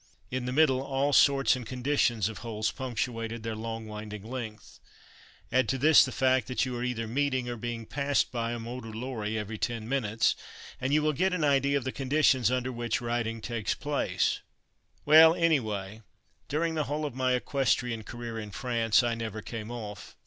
In the middle, all sorts and conditions of holes punctuated their long winding length. Add to this the fact that you are either meeting, or being passed by, a motor lorry every ten minutes, and you will get an idea of the conditions under which riding takes place. [Illustration: kit and kaboodle] Well, anyway, during the whole of my equestrian career in France, I never came off.